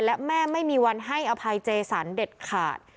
และแม่ไม่มีวันให้อภัยเจสันเด็ดขาด